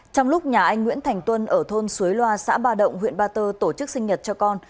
trong lúc nhà anh nguyễn thành tuân ở thôn suối loa xã ba động huyện ba tơ tổ chức sinh nhật cho con